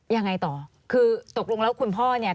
ยังไงต่อคือตกลงแล้วคุณพ่อเนี่ย